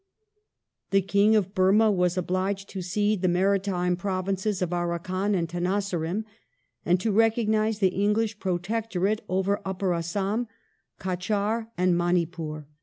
The King of Burmah was obliged to cede the maritime provinces of Arakan and Tenasserim, and to recognize the English protectorate over Upper Assam, Cachar, and Manipur.